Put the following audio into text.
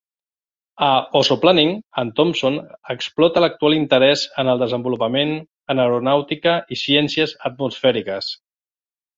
A "Ozoplaning", en Thompson explota l'actual interès en els desenvolupaments en aeronàutica i ciències atmosfèriques.